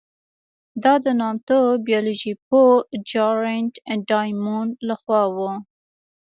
دا د نامتو بیولوژي پوه جارېډ ډایمونډ له خوا وه.